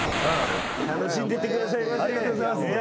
楽しんでってくださいませ。